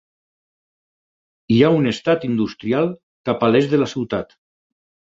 Hi ha un estat industrial cap a l'est de la ciutat.